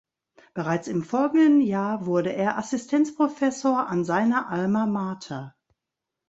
Bereits im folgenden Jahr wurde er Assistenzprofessor an seiner Alma Mater.